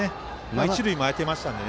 一塁も空いていましたので。